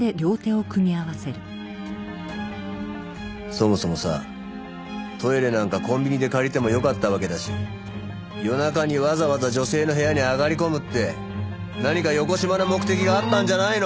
そもそもさトイレなんかコンビニで借りてもよかったわけだし夜中にわざわざ女性の部屋に上がり込むって何かよこしまな目的があったんじゃないの！？